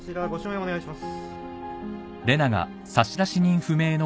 お願いします